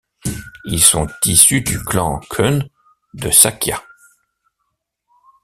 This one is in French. Ils sont issus du clan Khön de Sakya.